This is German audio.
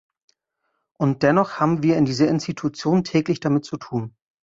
Und dennoch haben wir in dieser Institution täglich damit zu tun.